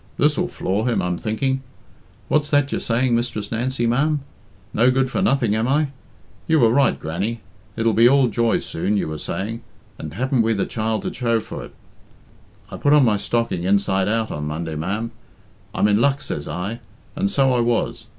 This'll floor him, I'm thinking. What's that you're saying, Mistress Nancy, ma'am? No good for nothing, am I? You were right, Grannie. 'It'll be all joy soon,' you were saying, and haven't we the child to show for it? I put on my stocking inside out on Monday, ma'am. 'I'm in luck,' says I, and so I was.